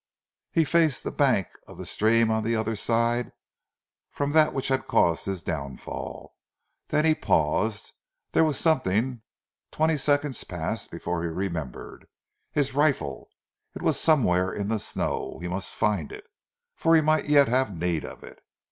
He faced the bank of the stream on the other side from that which had caused his downfall. Then he paused. There was something twenty seconds passed before he remembered. His rifle! It was somewhere in the snow, he must find it, for he might yet have need of it.